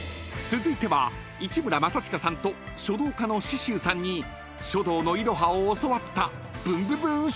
［続いては市村正親さんと書道家の紫舟さんに書道のいろはを教わったブンブブーン書道部］